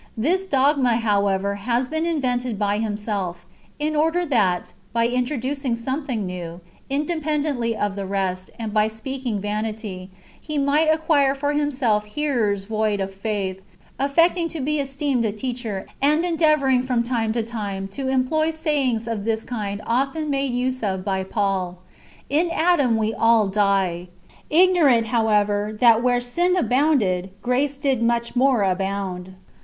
^ This dogma, however, has been invented by himself, in order that, by introducing something new, independently of the rest, and by speaking vanity, he might acquire for himself hearers void of faith, affecting to be esteemed a teacher, and en deavouring from time to time to employ sayings of this kind often [made use of] by Paul :" In Adam we all die ;"^ igno rant, however, that " where sin abounded, grace did much more abound."